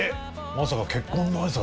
まさか結婚の挨拶とか？